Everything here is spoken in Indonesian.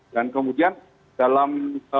dan kemudian dalam